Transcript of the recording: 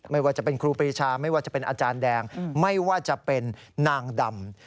ไม่ว่าจะเป็นครูปรีชาไม่ว่าจะเป็นอาจารย์แดงไม่ว่าจะเป็นนางดำ